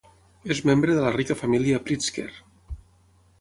És membre de la rica família Pritzker.